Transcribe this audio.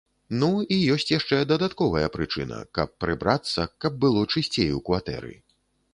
Ну, і ёсць яшчэ дадатковая прычына, каб прыбрацца, каб было чысцей у кватэры.